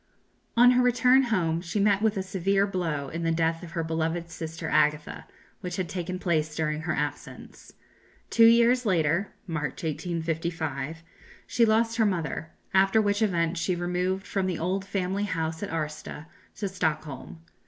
On her return home she met with a severe blow in the death of her beloved sister Agatha, which had taken place during her absence. Two years later (March, 1855) she lost her mother; after which event she removed from the old family house at Arsta to Stockholm.